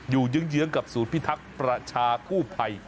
เยื้องกับศูนย์พิทักษ์ประชากู้ภัย